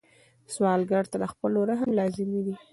سوالګر ته د خلکو رحم لازمي دی